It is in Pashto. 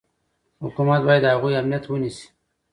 حکومت باید د هغوی امنیت ونیسي.